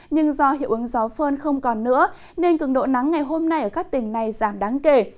nhưng do hiệu ứng gió phơn không còn nữa nên cường độ nắng ngày hôm nay ở các tỉnh này giảm đáng kể